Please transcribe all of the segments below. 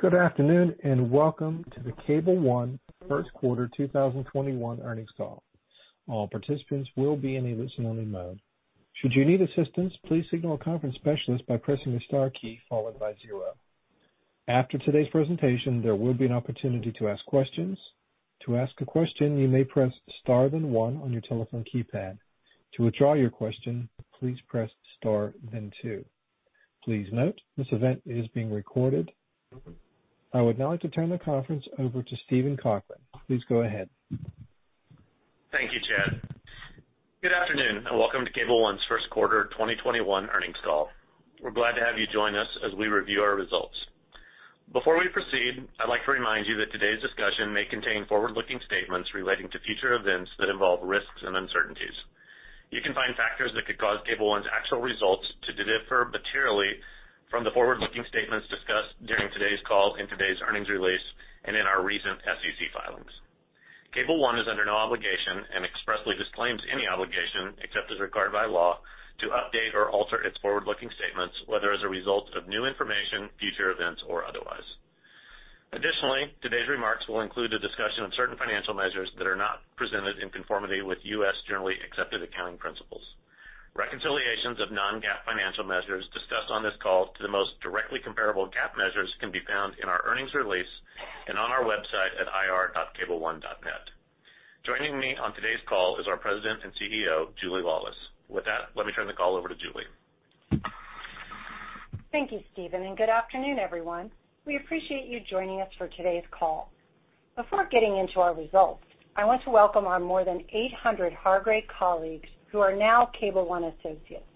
Good afternoon, and welcome to the Cable One Q1 2021 earnings call. All participants will be in a listen-only mode. After today's presentation, there will be an opportunity to ask questions. Please note, this event is being recorded. I would now like to turn the conference over to Steven Cochran. Please go ahead. Thank you, Chad. Good afternoon, and welcome to Cable One's Q1 2021 earnings call. We're glad to have you join us as we review our results. Before we proceed, I'd like to remind you that today's discussion may contain forward-looking statements relating to future events that involve risks and uncertainties. You can find factors that could cause Cable One's actual results to differ materially from the forward-looking statements discussed during today's call in today's earnings release and in our recent SEC filings. Cable One is under no obligation and expressly disclaims any obligation, except as required by law, to update or alter its forward-looking statements, whether as a result of new information, future events, or otherwise. Additionally, today's remarks will include a discussion of certain financial measures that are not presented in conformity with U.S. generally accepted accounting principles. Reconciliations of non-GAAP financial measures discussed on this call to the most directly comparable GAAP measures can be found in our earnings release and on our website at ir.cableone.net. Joining me on today's call is our President and CEO, Julia Laulis. With that, let me turn the call over to Julia. Thank you, Steven, and good afternoon, everyone. We appreciate you joining us for today's call. Before getting into our results, I want to welcome our more than 800 Hargray colleagues who are now Cable One associates.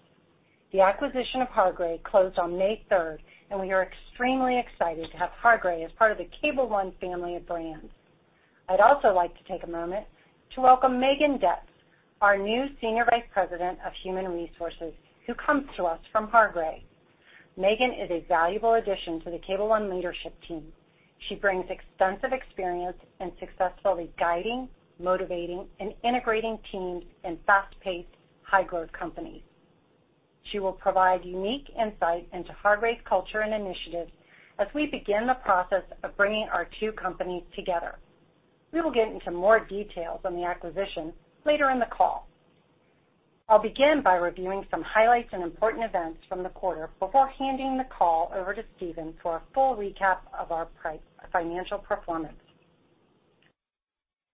The acquisition of Hargray closed on May 3rd, and we are extremely excited to have Hargray as part of the Cable One family of brands. I'd also like to take a moment to welcome Megan Detz, our new Senior Vice President, Human Resources, who comes to us from Hargray. Megan is a valuable addition to the Cable One leadership team. She brings extensive experience in successfully guiding, motivating, and integrating teams in fast-paced, high-growth companies. She will provide unique insight into Hargray's culture and initiatives as we begin the process of bringing our two companies together. We will get into more details on the acquisition later in the call. I'll begin by reviewing some highlights and important events from the quarter before handing the call over to Steven for a full recap of our financial performance.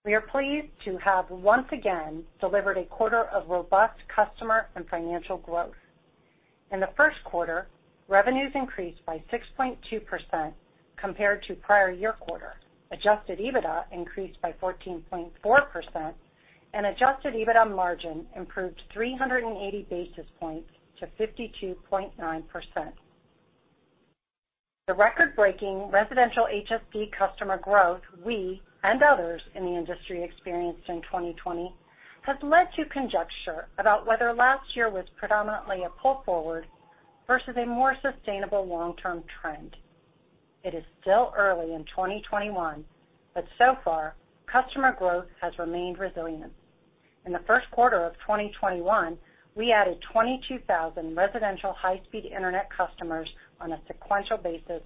We are pleased to have once again delivered a quarter of robust customer and financial growth. In the Q1, revenues increased by 6.2% compared to prior year quarter. Adjusted EBITDA increased by 14.4%, and Adjusted EBITDA margin improved 380 basis points to 52.9%. The record-breaking residential HSD customer growth we and others in the industry experienced in 2020 has led to conjecture about whether last year was predominantly a pull forward versus a more sustainable long-term trend. It is still early in 2021, but so far, customer growth has remained resilient. In the Q1 of 2021, we added 22,000 residential high-speed internet customers on a sequential basis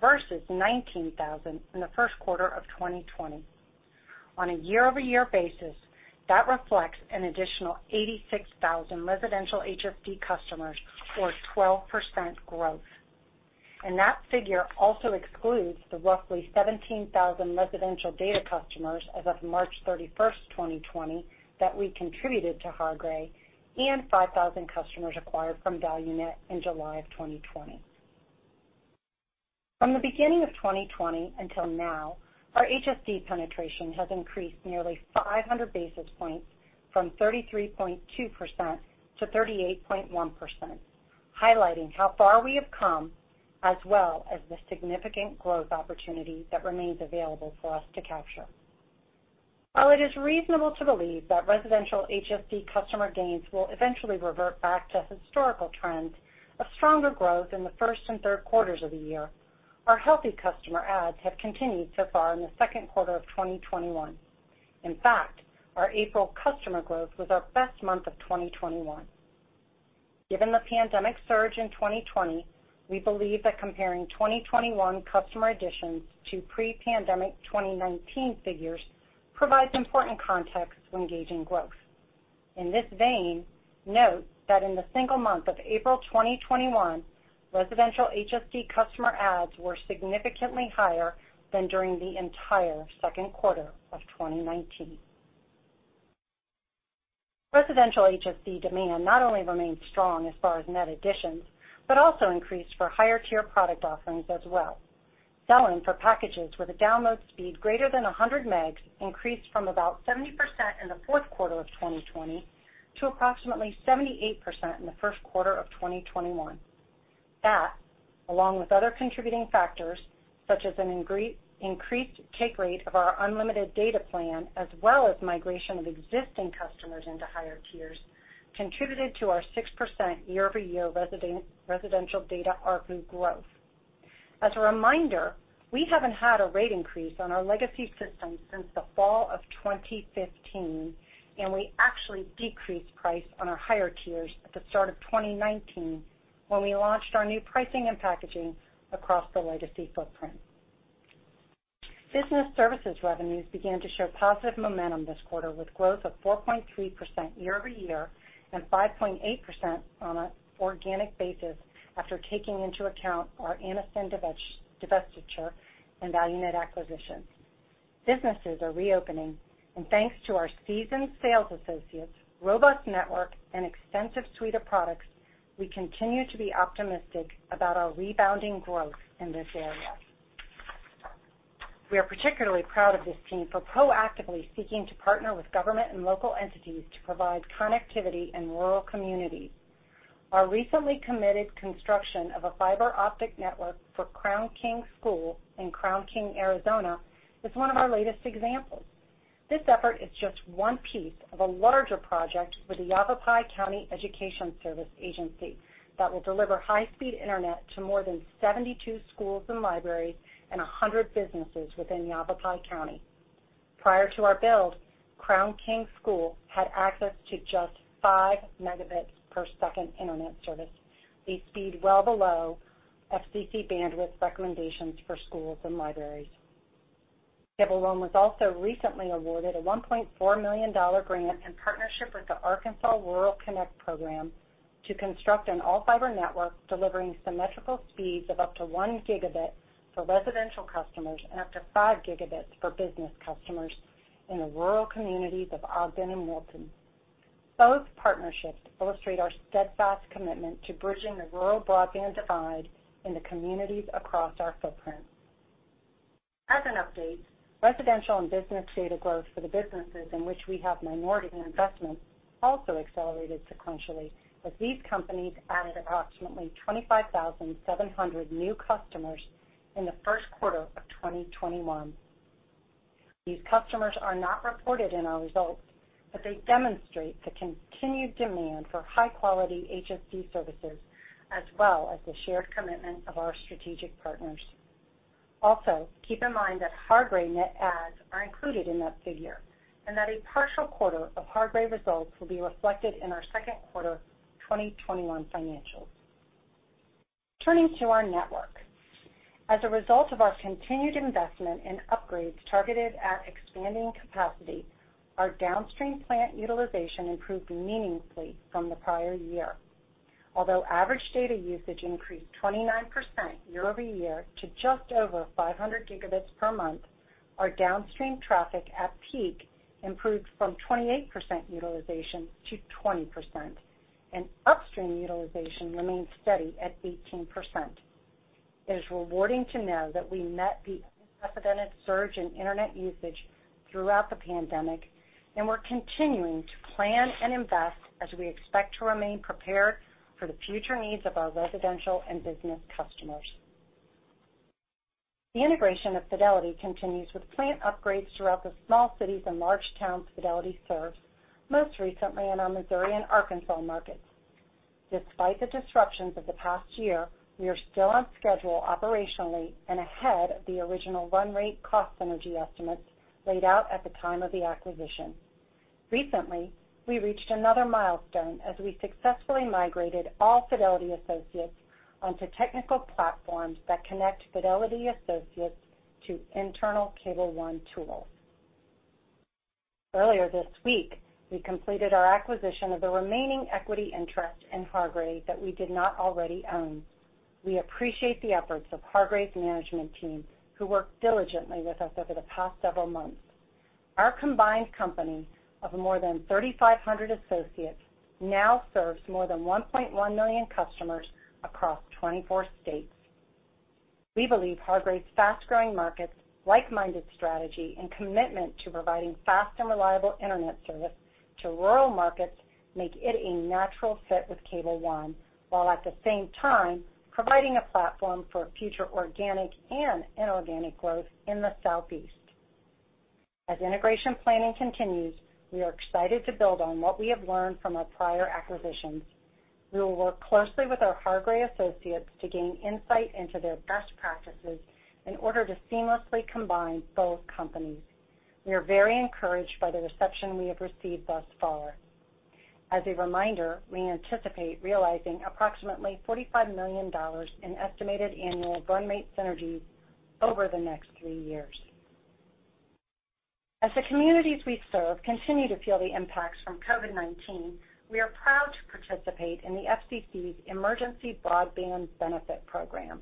versus 19,000 in the Q1 of 2020. On a year-over-year basis, that reflects an additional 86,000 residential HSD customers or 12% growth. That figure also excludes the roughly 17,000 residential data customers as of March 31st, 2020, that we contributed to Hargray and 5,000 customers acquired from Valu-Net in July of 2020. From the beginning of 2020 until now, our HSD penetration has increased nearly 500 basis points from 33.2%-38.1%, highlighting how far we have come, as well as the significant growth opportunity that remains available for us to capture. While it is reasonable to believe that residential HSD customer gains will eventually revert back to historical trends of stronger growth in the Q1 and Q3 of the year, our healthy customer adds have continued so far in the Q2 of 2021. In fact, our April customer growth was our best month of 2021. Given the pandemic surge in 2020, we believe that comparing 2021 customer additions to pre-pandemic 2019 figures provides important context when gauging growth. In this vein, note that in the single month of April 2021, residential HSD customer adds were significantly higher than during the entire Q2 of 2019. Residential HSD demand not only remains strong as far as net additions, but also increased for higher tier product offerings as well. Selling for packages with a download speed greater than 100 megs increased from about 70% in the Q4 of 2020 to approximately 78% in the Q1 of 2021. That, along with other contributing factors, such as an increased take rate of our unlimited data plan, as well as migration of existing customers into higher tiers, contributed to our 6% year-over-year residential data ARPU growth. As a reminder, we haven't had a rate increase on our legacy systems since the fall of 2015, and we actually decreased price on our higher tiers at the start of 2019 when we launched our new pricing and packaging across the legacy footprint. Business services revenues began to show positive momentum this quarter, with growth of 4.3% year-over-year and 5.8% on an organic basis after taking into account our Anniston divestiture and Valu-Net acquisition. Businesses are reopening, and thanks to our seasoned sales associates, robust network, and extensive suite of products, we continue to be optimistic about our rebounding growth in this area. We are particularly proud of this team for proactively seeking to partner with government and local entities to provide connectivity in rural communities. Our recently committed construction of a fiber optic network for Crown King School in Crown King, Arizona, is one of our latest examples. This effort is just one piece of a larger project with the Yavapai County Education Service Agency that will deliver high-speed internet to more than 72 schools and libraries and 100 businesses within Yavapai County. Prior to our build, Crown King School had access to just 5 Mbps internet service, a speed well below FCC bandwidth recommendations for schools and libraries. Cable One was also recently awarded a $1.4 million grant in partnership with the Arkansas Rural Connect program to construct an all-fiber network delivering symmetrical speeds of up to 1 Gbps for residential customers and up to 5 Gbps for business customers in the rural communities of Ogden and Wilton. Both partnerships illustrate our steadfast commitment to bridging the rural broadband divide in the communities across our footprint. As an update, residential and business data growth for the businesses in which we have minority investments also accelerated sequentially, as these companies added approximately 25,700 new customers in the Q1 of 2021. These customers are not reported in our results, but they demonstrate the continued demand for high-quality HSD services, as well as the shared commitment of our strategic partners. Keep in mind that Hargray net adds are included in that figure and that a partial quarter of Hargray results will be reflected in our Q2 2021 financials. Turning to our network. As a result of our continued investment in upgrades targeted at expanding capacity, our downstream plant utilization improved meaningfully from the prior year. Although average data usage increased 29% year-over-year to just over 500 gigabytes per month, our downstream traffic at peak improved from 28% utilization to 20%, and upstream utilization remained steady at 18%. It is rewarding to know that we met the unprecedented surge in internet usage throughout the pandemic, and we're continuing to plan and invest as we expect to remain prepared for the future needs of our residential and business customers. The integration of Fidelity continues with plant upgrades throughout the small cities and large towns Fidelity serves, most recently in our Missouri and Arkansas markets. Despite the disruptions of the past year, we are still on schedule operationally and ahead of the original run rate cost synergy estimates laid out at the time of the acquisition. Recently, we reached another milestone as we successfully migrated all Fidelity associates onto technical platforms that connect Fidelity associates to internal Cable One tools. Earlier this week, we completed our acquisition of the remaining equity interest in Hargray that we did not already own. We appreciate the efforts of Hargray's management team, who worked diligently with us over the past several months. Our combined company of more than 3,500 associates now serves more than 1.1 million customers across 24 states. We believe Hargray's fast-growing markets, like-minded strategy, and commitment to providing fast and reliable internet service to rural markets make it a natural fit with Cable One, while at the same time providing a platform for future organic and inorganic growth in the Southeast. As integration planning continues, we are excited to build on what we have learned from our prior acquisitions. We will work closely with our Hargray associates to gain insight into their best practices in order to seamlessly combine both companies. We are very encouraged by the reception we have received thus far. As a reminder, we anticipate realizing approximately $45 million in estimated annual run rate synergies over the next three years. As the communities we serve continue to feel the impacts from COVID-19, we are proud to participate in the FCC's Emergency Broadband Benefit program.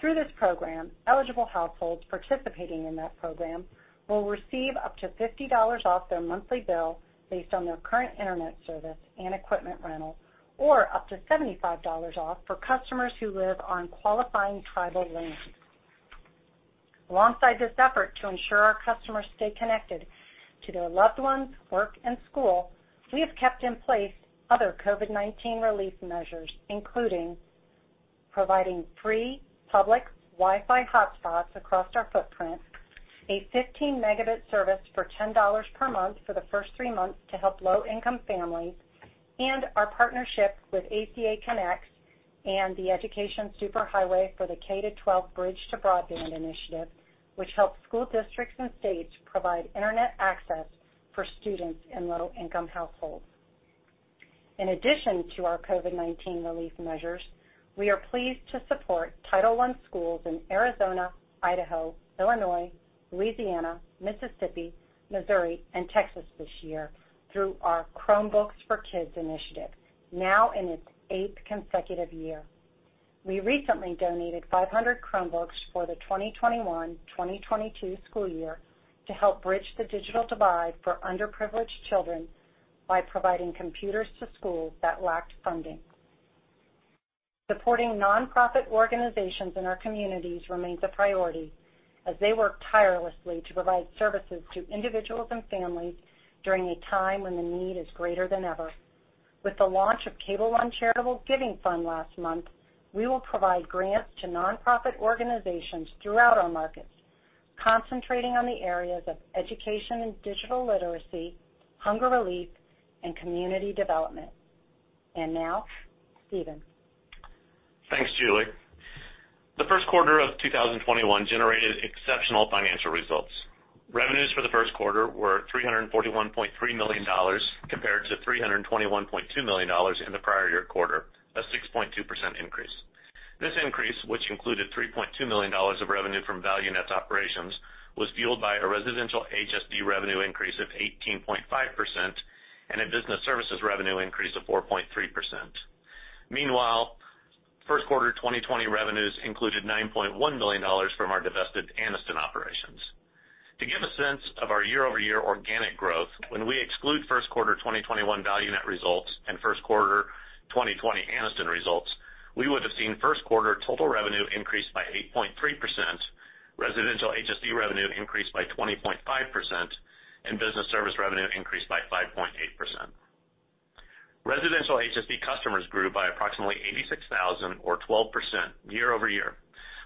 Through this program, eligible households participating in that program will receive up to $50 off their monthly bill based on their current internet service and equipment rental, or up to $75 off for customers who live on qualifying tribal lands. Alongside this effort to ensure our customers stay connected to their loved ones, work, and school, we have kept in place other COVID-19 relief measures, including providing free public Wi-Fi hotspots across our footprint, a 15 Mbps service for $10 per month for the first three months to help low-income families, and our partnership with ACA Connects and the EducationSuperHighway for the K-12 Bridge to Broadband initiative, Which helps school districts and states provide internet access for students in low-income households. In addition to our COVID-19 relief measures, we are pleased to support Title I schools in Arizona, Idaho, Illinois, Louisiana, Mississippi, Missouri, and Texas this year through our Chromebooks for Kids initiative, now in its eighth consecutive year. We recently donated 500 Chromebooks for the 2021-2022 school year to help bridge the digital divide for underprivileged children by providing computers to schools that lacked funding. Supporting nonprofit organizations in our communities remains a priority as they work tirelessly to provide services to individuals and families during a time when the need is greater than ever. With the launch of Cable One Charitable Giving Fund last month, we will provide grants to nonprofit organizations throughout our markets, concentrating on the areas of education and digital literacy, hunger relief, and community development. Now, Steven. Thanks, Julia Laulis. The Q1 of 2021 generated exceptional financial results. Revenues for the Q1 were $341.3 million compared to $321.2 million in the prior year quarter, a 6.2% increase. This increase, which included $3.2 million of revenue from Valu-Net operations, was fueled by a residential HSD revenue increase of 18.5% and a business services revenue increase of 4.3%. Meanwhile, Q1 2020 revenues included $9.1 million from our divested Anniston operations. To give a sense of our year-over-year organic growth, when we exclude Q1 2021 Valu-Net results and Q1 2020 Anniston results, we would've seen Q1 total revenue increase by 8.3%, residential HSD revenue increase by 20.5%, and business service revenue increase by 5.8%. Residential HSD customers grew by approximately 86,000 or 12% year-over-year,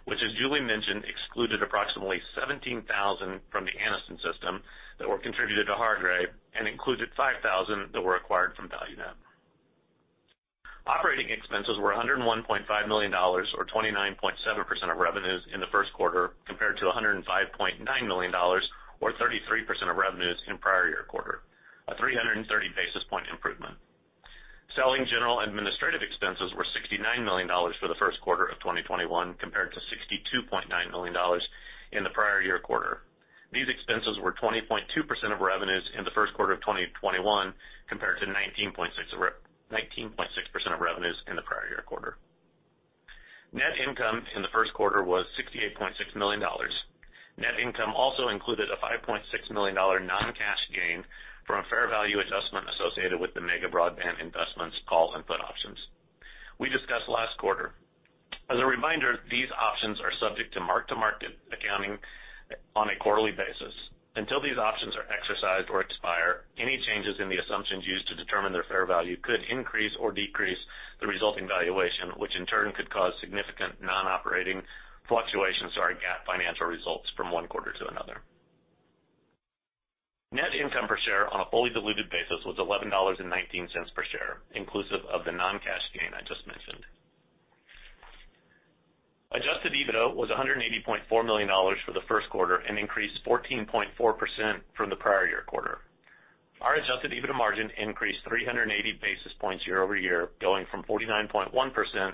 which, as Julia mentioned, excluded approximately 17,000 from the Anniston system that were contributed to Hargray and included 5,000 that were acquired from Valu-Net. Operating expenses were $101.5 million, or 29.7% of revenues in the Q1, compared to $105.9 million or 33% of revenues in prior year quarter, a 330 basis point improvement. Selling general administrative expenses were $69 million for the Q1 of 2021 compared to $62.9 million in the prior year quarter. These expenses were 20.2% of revenues in the Q1 of 2021 compared to 19.6% of revenues in the prior year quarter. Net income in the Q1 was $68.6 million. Net income also included a $5.6 million non-cash gain from a fair value adjustment associated with the Mega Broadband Investments call and put options we discussed last quarter. As a reminder, these options are subject to mark-to-market accounting on a quarterly basis. Until these options are exercised or expire, any changes in the assumptions used to determine their fair value could increase or decrease the resulting valuation, which in turn could cause significant non-operating fluctuations to our GAAP financial results from one quarter to another. Net income per share on a fully diluted basis was $11.19 per share, inclusive of the non-cash gain I just mentioned. Adjusted EBITDA was $180.4 million for the Q1 and increased 14.4% from the prior year quarter. Our Adjusted EBITDA margin increased 380 basis points year-over-year, going from 49.1%-52.9%.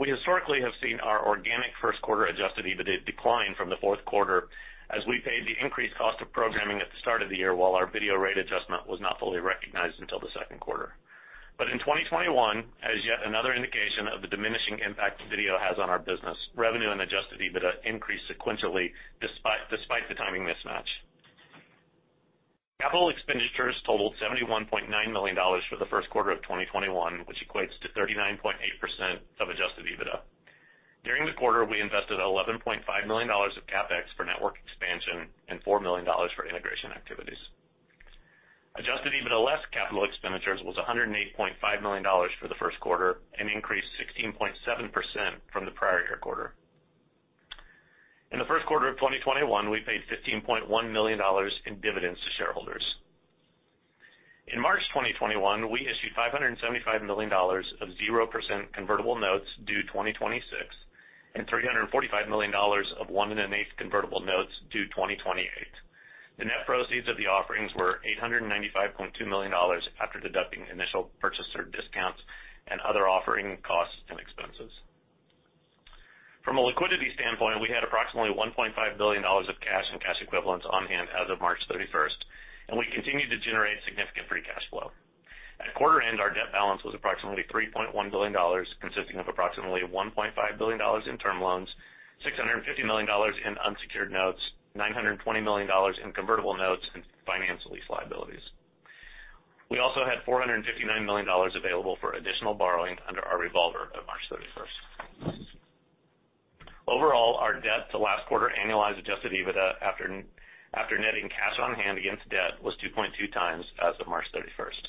We historically have seen our organic Q1 Adjusted EBITDA decline from the Q4 as we paid the increased cost of programming at the start of the year while our video rate adjustment was not fully recognized until the Q2. In 2021, as yet another indication of the diminishing impact video has on our business, revenue and Adjusted EBITDA increased sequentially despite the timing mismatch. Capital expenditures totaled $71.9 million for the Q1 of 2021, which equates to 39.8% of Adjusted EBITDA. During the quarter, we invested $11.5 million of CapEx for network expansion and $4 million for integration activities. Adjusted EBITDA less capital expenditures was $108.5 million for the Q1 and increased 16.7% from the prior year quarter. In the Q1 of 2021, we paid $15.1 million in dividends to shareholders. In March 2021, we issued $575 million of 0% convertible notes due 2026 and $345 million of one and one-eighth convertible notes due 2028. The net proceeds of the offerings were $895.2 million after deducting initial purchaser discounts and other offering costs and expenses. From a liquidity standpoint, we had approximately $1.5 billion of cash and cash equivalents on hand as of March 31st, and we continued to generate significant free cash flow. At quarter end, our debt balance was approximately $3.1 billion, consisting of approximately $1.5 billion in term loans, $650 million in unsecured notes, $920 million in convertible notes and finance lease liabilities. We also had $459 million available for additional borrowing under our revolver of March 31st. Overall, our debt to last quarter annualized Adjusted EBITDA after netting cash on hand against debt was 2.2x as of March 31st.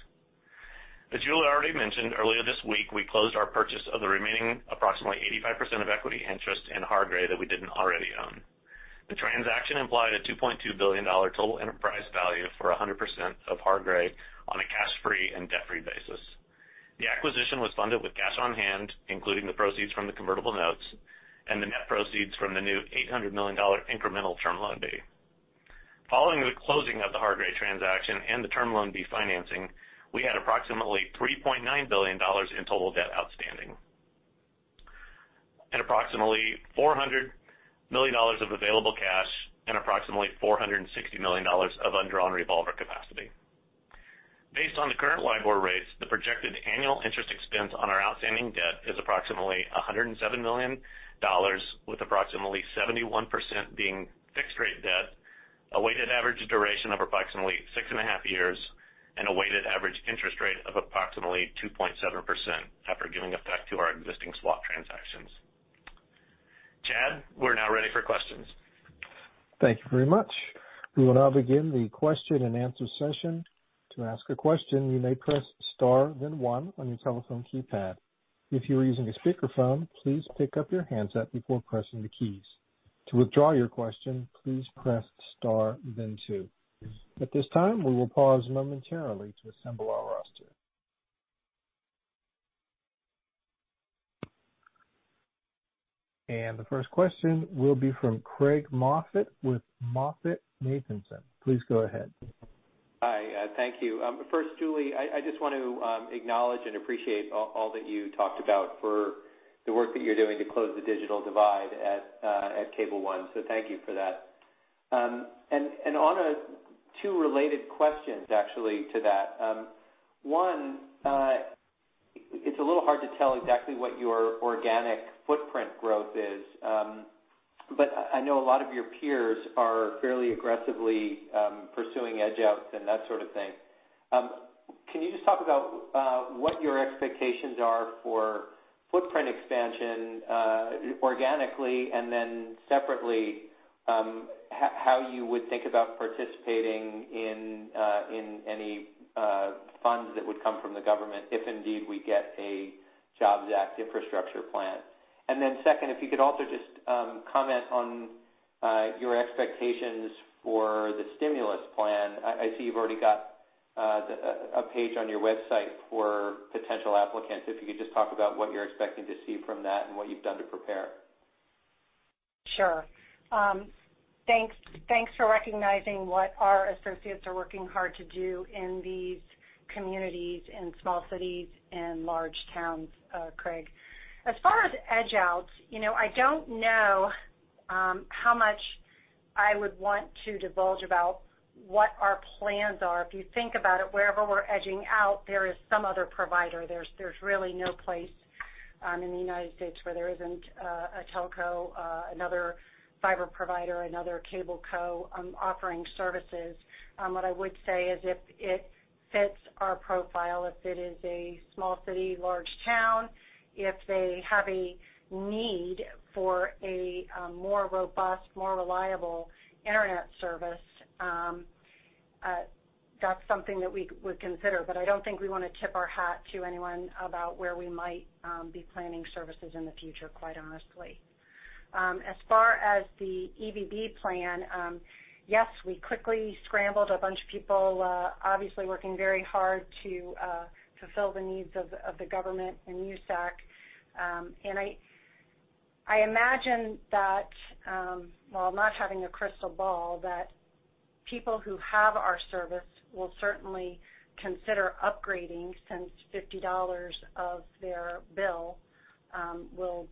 As Julia already mentioned, earlier this week, we closed our purchase of the remaining approximately 85% of equity interest in Hargray that we didn't already own. The transaction implied a $2.2 billion total enterprise value for 100% of Hargray on a cash-free and debt-free basis. The acquisition was funded with cash on hand, including the proceeds from the convertible notes and the net proceeds from the new $800 million incremental Term Loan B. Following the closing of the Hargray transaction and the Term Loan B financing, we had approximately $3.9 billion in total debt outstanding, and approximately $400 million of available cash, and approximately $460 million of undrawn revolver capacity. Based on the current LIBOR rates, the projected annual interest expense on our outstanding debt is approximately $107 million, with approximately 71% being fixed-rate debt, a weighted average duration of approximately six and a half years, and a weighted average interest rate of approximately 2.7% after giving effect to our existing swap transactions. Chad, we're now ready for questions. Thank you very much. We will now begin the question and answer session. To ask a question, you may press star then one on your telephone keypad. If you are using a speakerphone, please pick up your handset before pressing the keys. To withdraw your question, please press star then two. At this time, we will pause momentarily to assemble our roster. The first question will be from Craig Moffett with MoffettNathanson. Please go ahead. Hi. Thank you. First, Julia, I just want to acknowledge and appreciate all that you talked about for the work that you're doing to close the digital divide at Cable One. Thank you for that. On two related questions, actually, to that. One, it's a little hard to tell exactly what your organic footprint growth is. I know a lot of your peers are fairly aggressively pursuing edge outs and that sort of thing. Can you just talk about what your expectations are for footprint expansion organically, and then separately, how you would think about participating in any funds that would come from the government if indeed we get a Jobs Act infrastructure plan? Second, if you could also just comment on your expectations for the stimulus plan. I see you've already got a page on your website for potential applicants. If you could just talk about what you're expecting to see from that and what you've done to prepare? Sure. Thanks for recognizing what our associates are working hard to do in these communities, in small cities, in large towns, Craig. As far as edge outs, I don't know how much I would want to divulge about what our plans are. If you think about it, wherever we're edging out, there is some other provider. There's really no place in the U.S. where there isn't a telco, another fiber provider, another cable co offering services. What I would say is, if it fits our profile, if it is a small city, large town, if they have a need for a more robust, more reliable internet service, that's something that we would consider. I don't think we want to tip our hat to anyone about where we might be planning services in the future, quite honestly. As far as the EBB plan, yes, we quickly scrambled a bunch of people, obviously working very hard to fulfill the needs of the government and USAC. I imagine that, while not having a crystal ball, that people who have our service will certainly consider upgrading, since $50 of their bill will be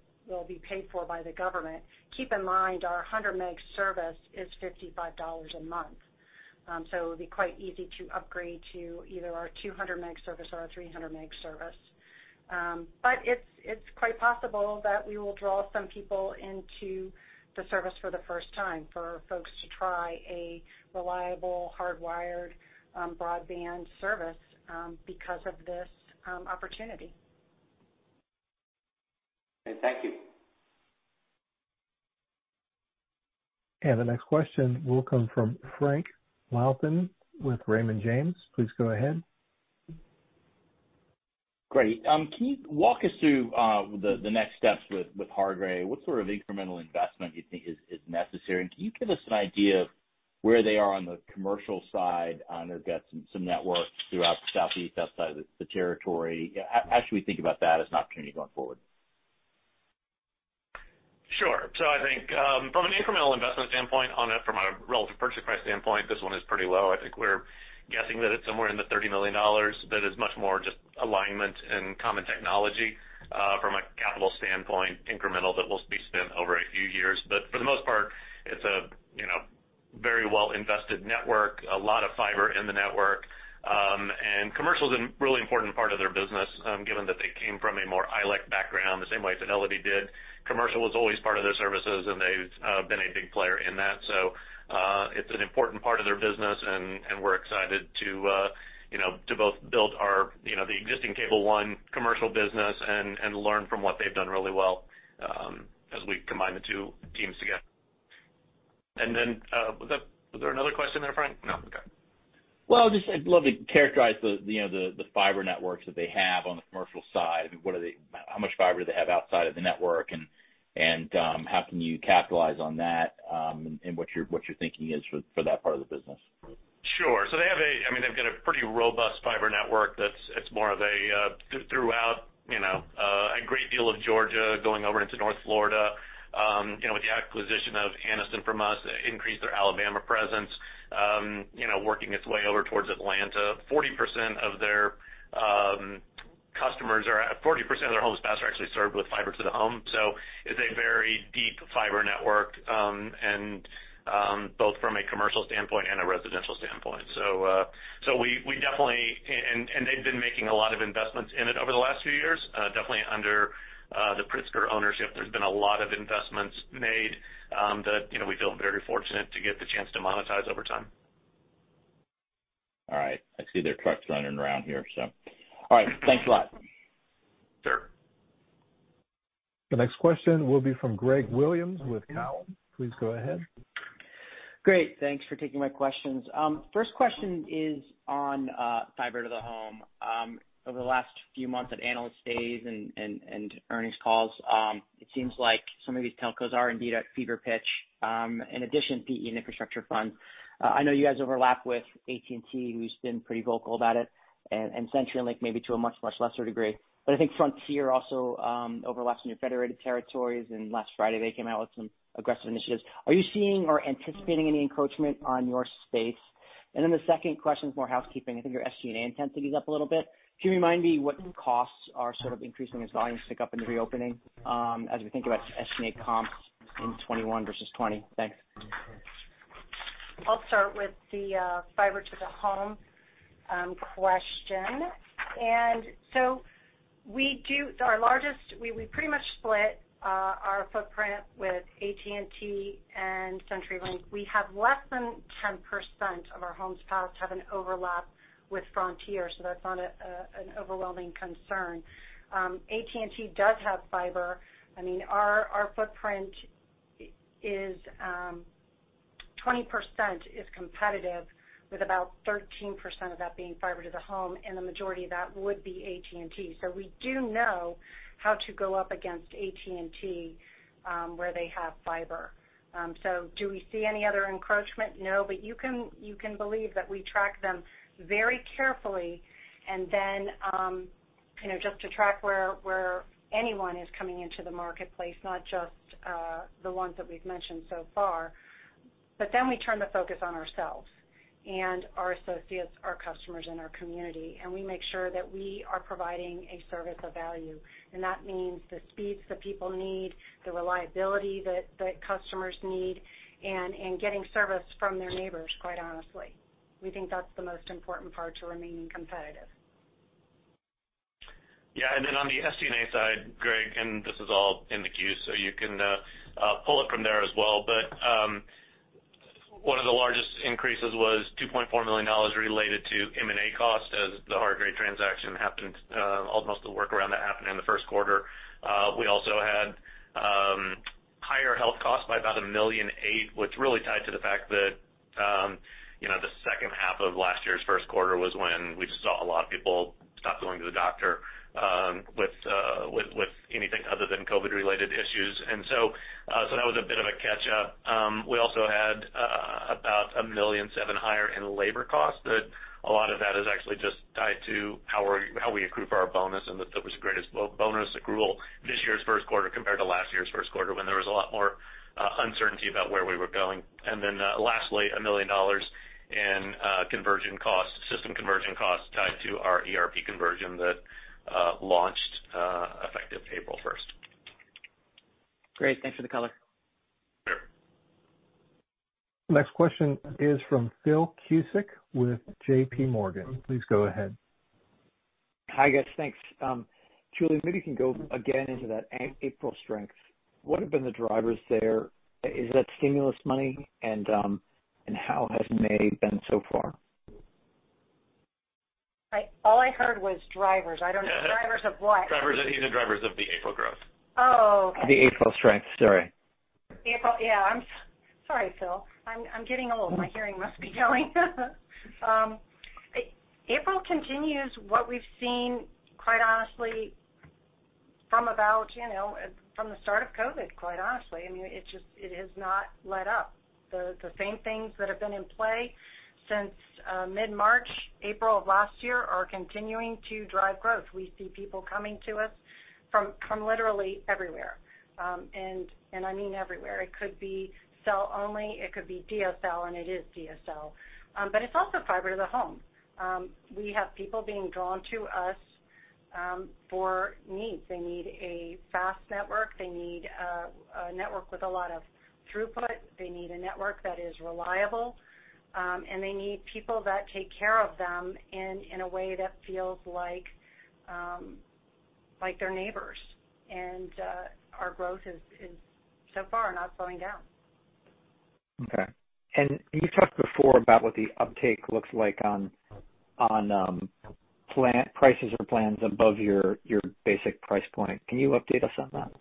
paid for by the government. Keep in mind, our 100 meg service is $55 a month. It would be quite easy to upgrade to either our 200 meg service or our 300 meg service. It's quite possible that we will draw some people into the service for the first time, for folks to try a reliable, hardwired broadband service because of this opportunity. Okay, thank you. The next question will come from Frank Louthan with Raymond James. Please go ahead. Great. Can you walk us through the next steps with Hargray? What sort of incremental investment do you think is necessary? And can you give us an idea of where they are on the commercial side? I know they've got some network throughout the southeast outside of the territory. How should we think about that as an opportunity going forward? Sure. I think from an incremental investment standpoint on it, from a relative purchase price standpoint, this one is pretty low. I think we're guessing that it's somewhere in the $30 million that is much more just alignment and common technology from a capital standpoint, incremental that will be spent over a few years. For the most part, it's a very well invested network, a lot of fiber in the network. Commercial is a really important part of their business, given that they came from a more ILEC background, the same way Fidelity did. Commercial was always part of their services, and they've been a big player in that. It's an important part of their business, and we're excited to both build the existing Cable One commercial business and learn from what they've done really well as we combine the two teams together. Was there another question there, Frank? No. Okay. Well, just I'd love to characterize the fiber networks that they have on the commercial side. I mean, how much fiber they have outside of the network, and how can you capitalize on that, and what your thinking is for that part of the business? Sure. They've got a pretty robust fiber network that's more of a throughout a great deal of Georgia going over into North Florida. With the acquisition of Anniston from us, increased their Alabama presence, working its way over towards Atlanta. 40% of their homes passed are actually served with fiber to the home. It's a very deep fiber network, both from a commercial standpoint and a residential standpoint. They've been making a lot of investments in it over the last few years, definitely under the Pritzker ownership. There's been a lot of investments made that we feel very fortunate to get the chance to monetize over time. All right. I see their trucks running around here, so all right. Thanks a lot. Sure. The next question will be from Greg Williams with TD Cowen. Please go ahead. Great. Thanks for taking my questions. First question is on fiber to the home. Over the last few months at analyst days and earnings calls, it seems like some of these telcos are indeed at fever pitch, in addition, PE and infrastructure funds. I know you guys overlap with AT&T, who's been pretty vocal about it, and CenturyLink, maybe to a much lesser degree. I think Frontier also overlaps in your Fidelity territories, and last Friday they came out with some aggressive initiatives. Are you seeing or anticipating any encroachment on your space? The second question is more housekeeping. I think your SG&A intensity is up a little bit. Can you remind me what costs are sort of increasing as volumes pick up in the reopening as we think about SG&A comps in 2021 versus 2020? Thanks. I'll start with the fiber to the home question. We pretty much split our footprint with AT&T and CenturyLink. We have less than 10% of our homes passed have an overlap with Frontier, so that's not an overwhelming concern. AT&T does have fiber. Our footprint is 20% is competitive with about 13% of that being fiber to the home, and the majority of that would be AT&T. We do know how to go up against AT&T where they have fiber. Do we see any other encroachment? No, but you can believe that we track them very carefully. Just to track where anyone is coming into the marketplace, not just the ones that we've mentioned so far. We turn the focus on ourselves and our associates, our customers, and our community, and we make sure that we are providing a service of value. That means the speeds that people need, the reliability that customers need, and getting service from their neighbors, quite honestly. We think that's the most important part to remaining competitive. On the SG&A side, Greg, this is all in the Q, you can pull it from there as well. One of the largest increases was $2.4 million related to M&A costs as the Hargray transaction happened. Most of the work around that happened in the Q1. We also had higher health costs by about $1.8 million, which really tied to the fact that the second half of last year's Q1 was when we just saw a lot of people stop going to the doctor with anything other than COVID related issues. That was a bit of a catch up. We also had about $1.7 million higher in labor costs, that a lot of that is actually just tied to how we accrue for our bonus, and that there was the greatest bonus accrual this year's Q1 compared to last year's Q1 when there was a lot more uncertainty about where we were going. Lastly, $1 million in system conversion costs tied to our ERP conversion that launched effective April 1st. Great. Thanks for the color. Sure. Next question is from Philip Cusick with JPMorgan. Please go ahead. Hi, guys. Thanks. Julia, maybe you can go again into that April strength. What have been the drivers there? Is that stimulus money? How has May been so far? All I heard was drivers. I don't know. Drivers of what? Drivers. He said drivers of the April growth. Oh, okay. The April strength, sorry. April. Yeah. Sorry, Philip. I'm getting old. My hearing must be going. April continues what we've seen, quite honestly, from the start of COVID, quite honestly. It has not let up. The same things that have been in play since mid-March, April of last year are continuing to drive growth. We see people coming to us from literally everywhere. I mean everywhere. It could be cell only, it could be DSL, and it is DSL. It's also fiber to the home. We have people being drawn to us for needs. They need a fast network. They need a network with a lot of throughput. They need a network that is reliable. They need people that take care of them in a way that feels like their neighbors. Our growth is so far not slowing down. Okay. You've talked before about what the uptake looks like on prices or plans above your basic price point. Can you update us on that?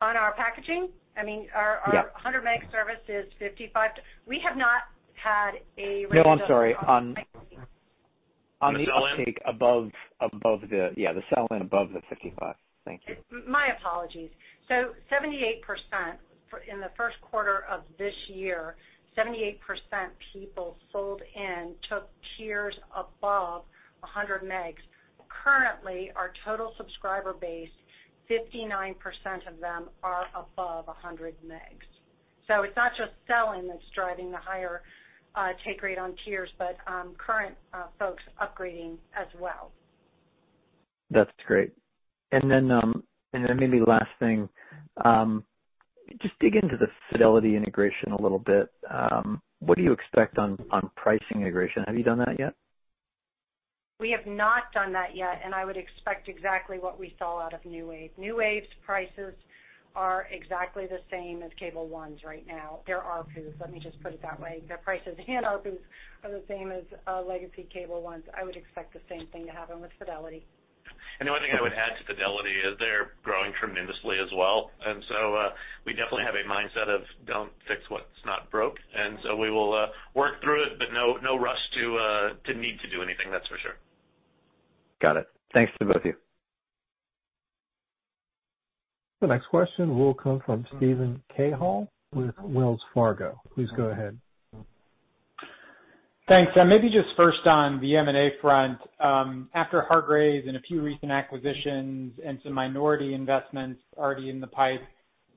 On our packaging? I mean, Yeah 100 meg service is $55. No, I'm sorry. The sell-in? On the uptake above the Yeah, the sell-in above the 55. Thank you. My apologies. 78%, in the Q1 of this year, 78% people sold and took tiers above 100 Mbps. Currently, our total subscriber base, 59% of them are above 100 Mbps. It's not just sell-in that's driving the higher take rate on tiers, but current folks upgrading as well. That's great. Maybe last thing, just dig into the Fidelity integration a little bit. What do you expect on pricing integration? Have you done that yet? We have not done that yet. I would expect exactly what we saw out of NewWave. NewWave's prices are exactly the same as Cable One's right now, their ARPU. Let me just put it that way. Their prices and ARPU are the same as legacy Cable One's. I would expect the same thing to happen with Fidelity. The only thing I would add to Fidelity is they're growing tremendously as well. We definitely have a mindset of don't fix what's not broke. We will work through it, but no rush to need to do anything, that's for sure. Got it. Thanks to both of you. The next question will come from Steven Cahall with Wells Fargo. Please go ahead. Thanks. Maybe just first on the M&A front. After Hargray and a few recent acquisitions and some minority investments already in the pipe,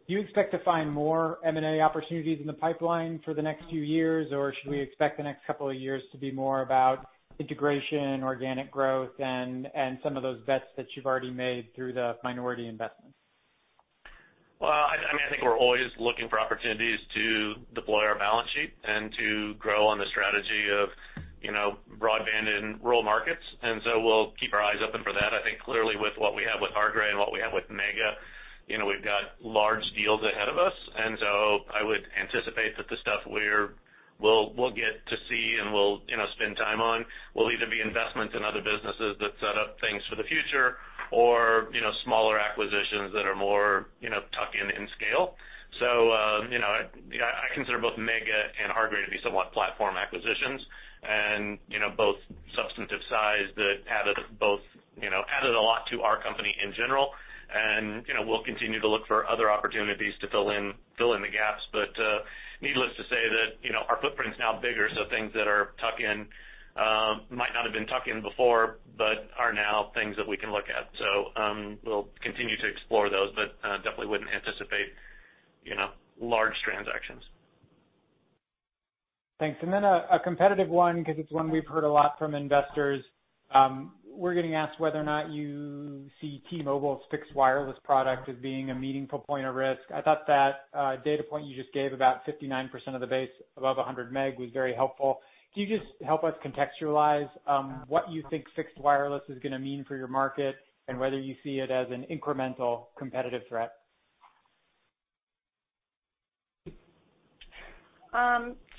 do you expect to find more M&A opportunities in the pipeline for the next few years? Should we expect the next couple of years to be more about integration, organic growth, and some of those bets that you've already made through the minority investments? Well, I think we're always looking for opportunities to deploy our balance sheet and to grow on the strategy of broadband in rural markets. We'll keep our eyes open for that. I think clearly with what we have with Hargray and what we have with Mega, we've got large deals ahead of us. I would anticipate that the stuff we'll get to see and we'll spend time on will either be investments in other businesses that set up things for the future or smaller acquisitions that are more tuck-in in scale. I consider both Mega and Hargray to be somewhat platform acquisitions, and both substantive size that added a lot to our company in general. We'll continue to look for other opportunities to fill in the gaps. Needless to say that our footprint is now bigger, so things that are tuck-in might not have been tuck-in before, but are now things that we can look at. We'll continue to explore those, but definitely wouldn't anticipate large transactions. Thanks. A competitive one, because it's one we've heard a lot from investors. We're getting asked whether or not you see T-Mobile's fixed wireless product as being a meaningful point of risk. I thought that data point you just gave about 59% of the base above 100 meg was very helpful. Can you just help us contextualize what you think fixed wireless is going to mean for your market, and whether you see it as an incremental competitive threat?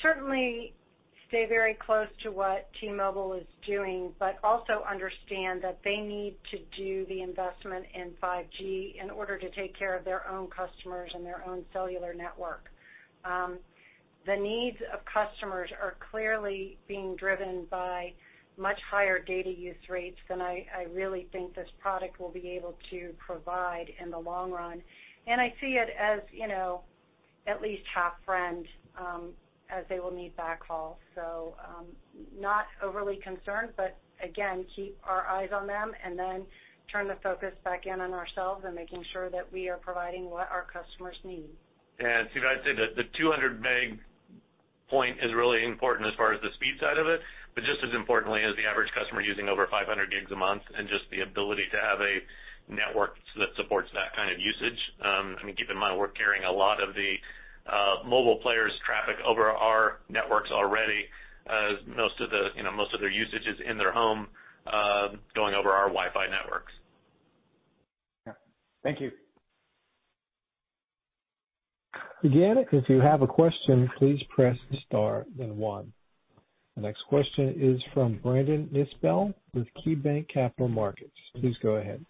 Certainly stay very close to what T-Mobile is doing, but also understand that they need to do the investment in 5G in order to take care of their own customers and their own cellular network. The needs of customers are clearly being driven by much higher data use rates than I really think this product will be able to provide in the long run. I see it as at least half friend, as they will need backhaul. Not overly concerned, but again, keep our eyes on them, and then turn the focus back in on ourselves and making sure that we are providing what our customers need. Yeah. Steven, I'd say that the 200 meg point is really important as far as the speed side of it, but just as importantly is the average customer using over 500 gigs a month and just the ability to have a network that supports that kind of usage. Keep in mind, we're carrying a lot of the mobile players' traffic over our networks already. Most of their usage is in their home, going over our Wi-Fi networks. Yeah. Thank you. Again, if you have a question, please press star then one. The next question is from Brandon Nispel with KeyBanc Capital Markets. Please go ahead.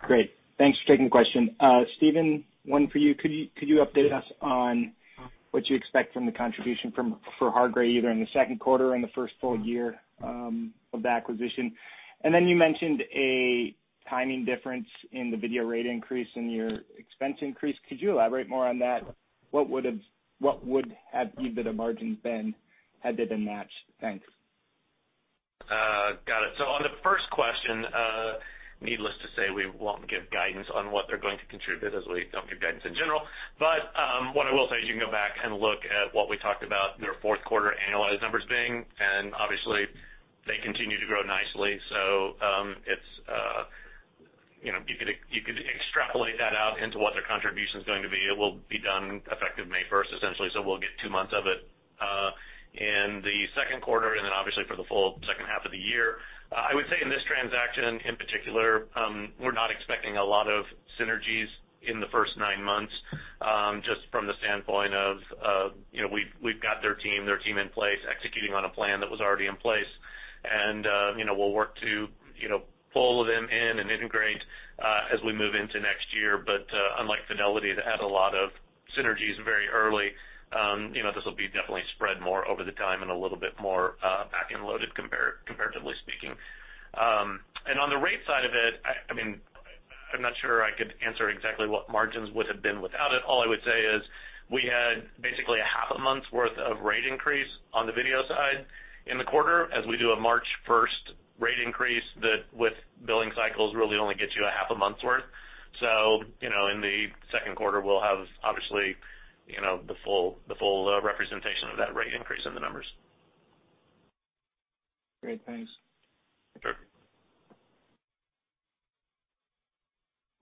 Great. Thanks for taking the question. Steven, one for you. Could you update us on what you expect from the contribution for Hargray, either in the Q2 or in the first full year of the acquisition? Then you mentioned a timing difference in the video rate increase and your expense increase. Could you elaborate more on that? What would have EBITDA margins been had they been matched? Thanks. Got it. On the first question, needless to say, we won't give guidance on what they're going to contribute, as we don't give guidance in general. What I will say is you can go back and look at what we talked about their Q4 annualized numbers being, and obviously they continue to grow nicely. You could extrapolate that out into what their contribution is going to be. It will be done effective May 1st, essentially, so we'll get two months of it in the Q2, and then obviously for the full second half of the year. I would say in this transaction in particular, we're not expecting a lot of synergies in the first nine months, just from the standpoint of we've got their team in place executing on a plan that was already in place. We'll work to pull them in and integrate as we move into next year. Unlike Fidelity that had a lot of synergies very early, this will be definitely spread more over the time and a little bit more back-end loaded comparatively speaking. On the rate side of it, I'm not sure I could answer exactly what margins would have been without it. All I would say is we had basically a half a month's worth of rate increase on the video side in the quarter, as we do a March 1st rate increase that with billing cycles really only gets you a half a month's worth. In the Q2, we'll have obviously the full representation of that rate increase in the numbers. Great. Thanks. Sure.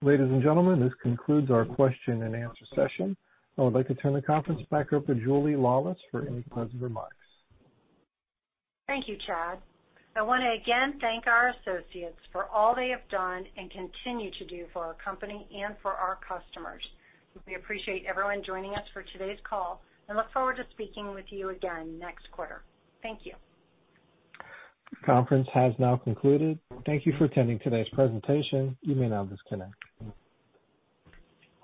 Ladies and gentlemen, this concludes our question and answer session. I would like to turn the conference back over to Julia Laulis for any closing remarks. Thank you, Chad. I want to again thank our associates for all they have done and continue to do for our company and for our customers. We appreciate everyone joining us for today's call and look forward to speaking with you again next quarter. Thank you. Conference has now concluded. Thank you for attending today's presentation. You may now disconnect.